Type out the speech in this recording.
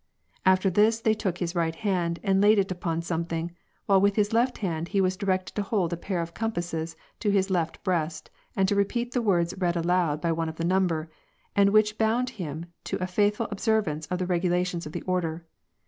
After this, they took his right hand and laid it upon some thing, while with his left he was directed to hold a pair of compasses to his left breast, and to repeat the words read aloud by one of the number, and which bound him to a faith ful observance of the regulations of the Order.